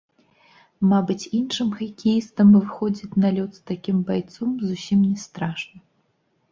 Мабыць, іншым хакеістам выходзіць на лёд з такім байцом зусім не страшна.